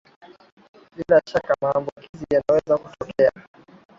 Bila shaka maambukizi yanaweza kutokea